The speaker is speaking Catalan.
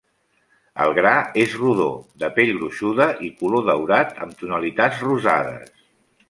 El gra és rodó, de pell gruixuda i color daurat amb tonalitats rosades.